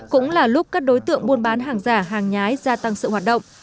cũng là lúc các đối tượng buôn bán hàng giả hàng nhái gia tăng sự hoạt động